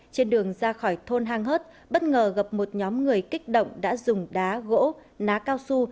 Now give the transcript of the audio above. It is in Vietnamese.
trên đường ra khỏi thôn hang hớt bất ngờ gặp một nhóm người kích động đã dùng đá gỗ ná cao su